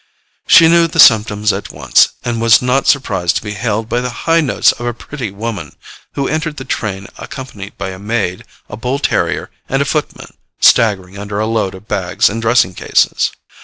She knew the symptoms at once, and was not surprised to be hailed by the high notes of a pretty woman, who entered the train accompanied by a maid, a bull terrier, and a footman staggering under a load of bags and dressing cases.